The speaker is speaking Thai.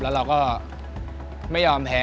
แล้วเราก็ไม่ยอมแพ้